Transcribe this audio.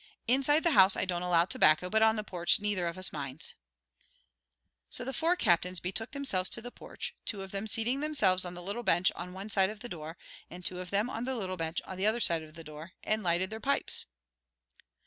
Inside the house I don't allow tobacco, but on the porch neither of us minds." So the four captains betook themselves to the porch, two of them seating themselves on the little bench on one side of the door, and two of them on the little bench on the other side of the door, and lighted their pipes.